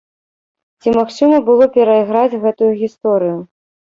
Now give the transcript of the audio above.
Ці магчыма было перайграць гэтую гісторыю?